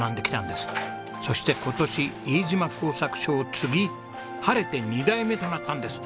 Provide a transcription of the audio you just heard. そして今年飯島工作所を継ぎ晴れて２代目となったんです。